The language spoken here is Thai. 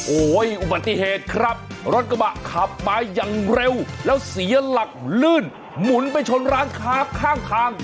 โอ้โหอุบัติเหตุครับรถกระบะขับมาอย่างเร็วแล้วเสียหลักลื่นหมุนไปชนร้านค้าข้างทาง